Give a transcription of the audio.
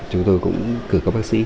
chúng tôi cũng cử các bác sĩ